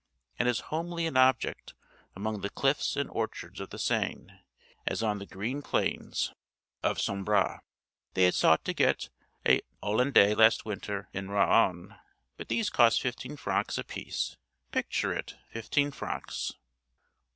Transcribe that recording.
and as homely an object among the cliffs and orchards of the Seine as on the green plains of Sambre?)—they had sought to get a Hollandais last winter in Rouen; but these cost fifteen francs apiece—picture it—fifteen francs!